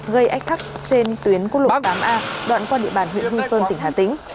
gây ách tắc trên tuyến quốc lộ tám a đoạn qua địa bàn huyện hương sơn tỉnh hà tĩnh